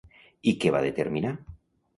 I què va determinar?